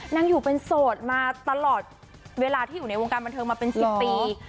นางอยู่เป็นโสดมาตลอดเวลาที่อยู่ในวงการบันเทิงมาเป็น๑๐ปี